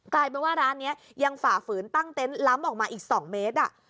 กลายเป็นว่าร้านนี้ยังฝ่าฝืนตั้งเต็นต์ล้ำออกมาอีก๒เมตร